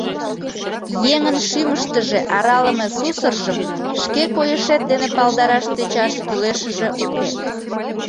Еҥын шӱмыштыжӧ аралыме сусыржым шке койышет дене палдараш тӧчаш кӱлешыже уке.